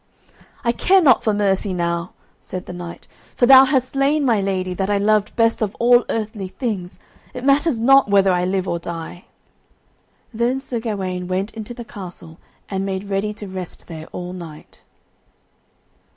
"I care not for mercy now," said the knight, "for thou hast slain my lady that I loved best of all earthly things it matters not whether I live or die." Then Sir Gawaine went into the castle and made ready to rest there all night.